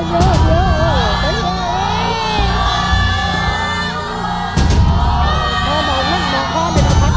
บ่งบ่งอย่างงั้นต่อไปนะท่านคุณ